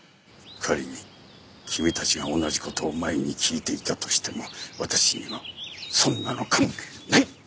仮に君たちが同じ事を前に聞いていたとしても私にはそんなの関係ない！